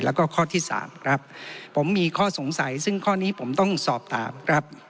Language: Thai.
แล้วก็ข้อที่สามครับผมมีข้อสงสัยซึ่งข้อนี้ผมต้องสอบถามครับ